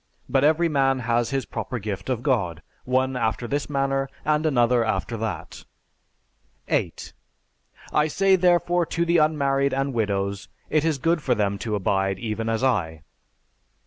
But every man has his proper gift of God, one after this manner, and another after that. 8. I say therefore to the unmarried and widows, it is good for them to abide even as I.